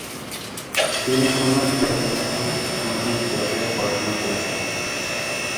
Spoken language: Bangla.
তিনি খুলনা জেলাতেই মাধ্যমিক ও উচ্চমাধ্যমিক পর্যায়ে পড়াশোনা করেছেন।